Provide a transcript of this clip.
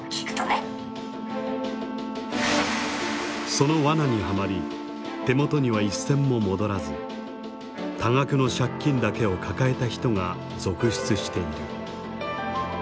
その罠にはまり手元には一銭も戻らず多額の借金だけを抱えた人が続出している。